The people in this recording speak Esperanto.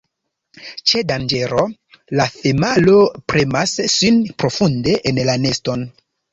Ĉe danĝero, la femalo premas sin profunde en la neston.